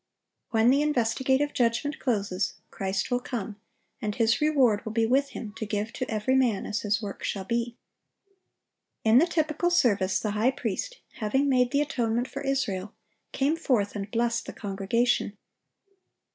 (866) When the investigative judgment closes, Christ will come, and His reward will be with Him to give to every man as his work shall be. In the typical service the high priest, having made the atonement for Israel, came forth and blessed the congregation.